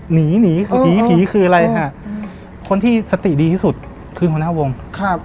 หนีหนีผีผีคืออะไรฮะคนที่สติดีที่สุดคือหัวหน้าวงครับ